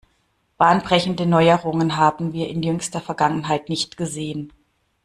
Bahnbrechende Neuerungen haben wir in jüngster Vergangenheit nicht gesehen.